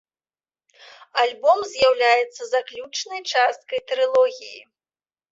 Альбом з'яўляецца заключнай часткай трылогіі.